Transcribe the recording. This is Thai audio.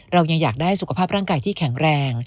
เรายังอยากได้สุขภาพร่างกายที่แข็งแรง